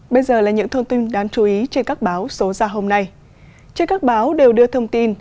bây giờ là những thông tin đáng chú ý trên các báo số ra hôm nay trên các báo đều đưa thông tin